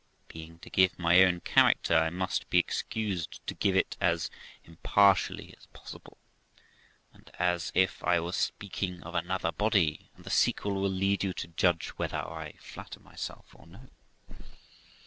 Being to give my own character, I must be excused to give it as im partially as possible, and as if I was speaking of another body; and the sequel will lead you to judge whether I flatter myself or no.